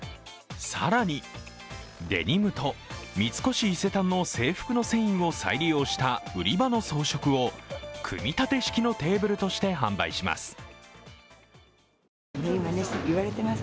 更に、デニムと三越伊勢丹の制服の繊維を再利用した売り場の装飾を組み立て式のテーブルとして販売します。